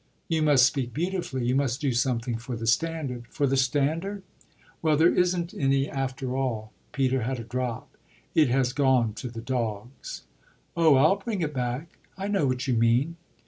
"You must speak beautifully; you must do something for the standard." "For the standard?" "Well, there isn't any after all." Peter had a drop. "It has gone to the dogs." "Oh I'll bring it back. I know what you mean."